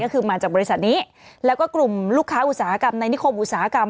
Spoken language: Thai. ก็คือมาจากบริษัทนี้แล้วก็กลุ่มลูกค้าอุตสาหกรรมในนิคมอุตสาหกรรม